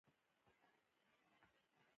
ښوونځی د ادب ښوونکی دی